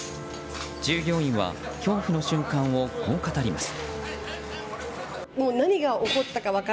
従業員は、恐怖の瞬間をこう語ります。